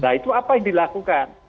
nah itu apa yang dilakukan